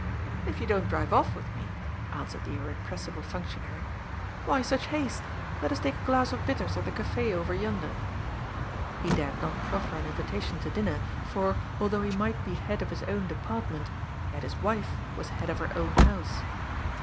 " If you don't drive off with me," answered the irre pressible functionary. *^ Why such haste ? Let us take a glass of bitters at the caf 6 over yonder." He dared not proffer an invitation to dinner, for, al though he might be head of his own Department, yet his wife was head of her own house.